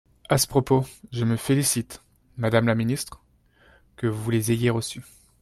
À ce propos, je me félicite, madame la ministre, que vous les ayez reçues.